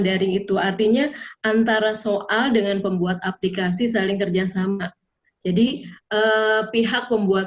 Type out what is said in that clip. daring itu artinya antara soal dengan pembuat aplikasi saling kerjasama jadi pihak pembuat